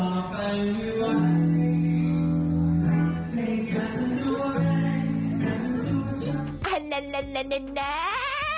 ไม่อัดไว้